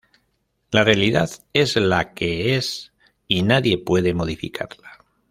La realidad es la que es y nadie puede modificarla.